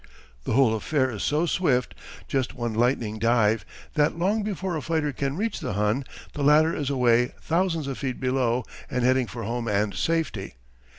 The whole affair is so swift just one lightning dive that long before a fighter can reach the Hun the latter is away thousands of feet below and heading for home and safety.